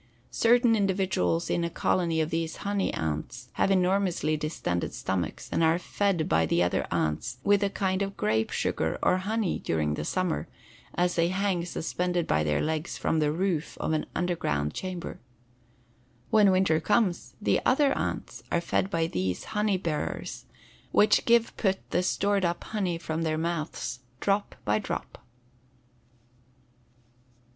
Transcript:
Certain individuals in a colony of these honey ants have enormously distended stomachs and are fed by the other ants with a kind of grape sugar, or honey, during the summer, as they hang suspended by their legs from the roof of an underground chamber. When winter comes the other ants are fed by these honey bearers, which give put the stored up honey from their mouths drop by drop.